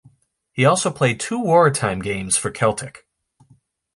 He also played two wartime games for Celtic.